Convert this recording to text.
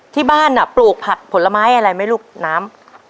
ที่บ้านปลูกผักผลไม้อะไรไหมลูกน้ำ